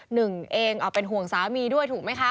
หนึ่งเองเป็นห่วงสามีด้วยถูกไหมคะ